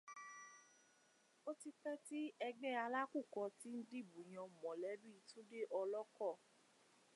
O ti pẹ́ tí Ẹgbẹ́ Alákùkọ ti ń dìbò yan mọ̀lẹ́bí Túndé Ọlọ́kọ̀